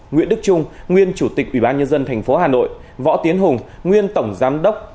nguyễn đức trung nguyên chủ tịch ủy ban nhân dân tp hà nội võ tiến hùng nguyên tổng giám đốc